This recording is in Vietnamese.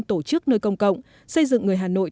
tổ chức nơi công cộng xây dựng người hà nội